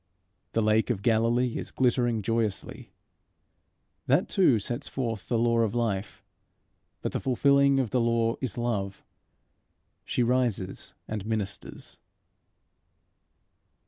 The lake of Galilee is glittering joyously. That too sets forth the law of life. But the fulfilling of the law is love: she rises and ministers.